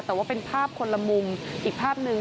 แต่ว่าเป็นภาพคนละมุมอีกภาพหนึ่ง